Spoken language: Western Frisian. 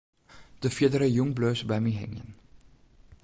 De fierdere jûn bleau se by my hingjen.